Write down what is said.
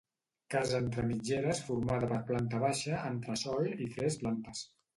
Casa entre mitgeres formada per planta baixa, entresòl i tres plantes.